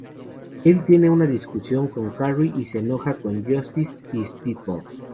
Él tiene una discusión con Carrie y se enoja con Justice y Speedball.